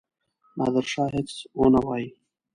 نادرشاه هیڅ ونه وايي.